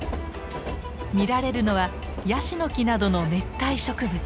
見られるのはヤシの木などの熱帯植物。